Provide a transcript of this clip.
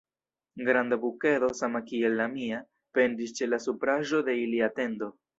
Granda bukedo, sama kiel la mia, pendis ĉe la supraĵo de ilia tendo.